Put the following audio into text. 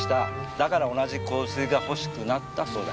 だから同じ香水が欲しくなったそうだ。